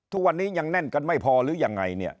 ทุกวันนี้ยังแน่นกันไม่พอหรือยังไงเนี่ย